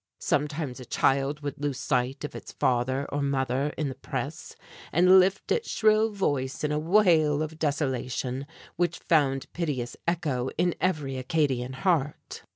Sometimes a child would lose sight of its father or mother in the press, and lift its shrill voice in a wail of desolation which found piteous echo in every Acadian heart.